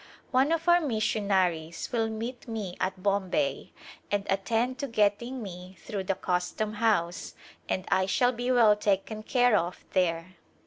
One of our missionaries will meet me at Bombay and attend to getting me through the custom house and I shall be well taken care of there.